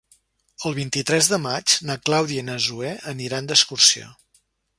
El vint-i-tres de maig na Clàudia i na Zoè aniran d'excursió.